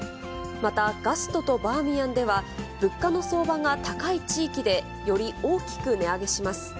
またガストとバーミヤンでは、物価の相場が高い地域でより大きく値上げします。